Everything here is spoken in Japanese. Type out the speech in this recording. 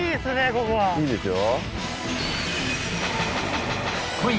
ここはいいでしょ